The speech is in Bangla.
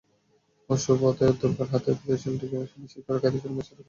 অসুর বধে দুর্গার হাতের ত্রিশূলটিকে বিশেষ কায়দায় শূন্যে ভাসিয়ে রাখতে দেখা গেছে।